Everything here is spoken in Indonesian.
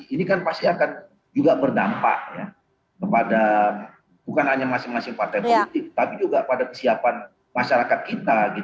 ini kan pasti akan juga berdampak kepada bukan hanya masing masing partai politik tapi juga pada kesiapan masyarakat kita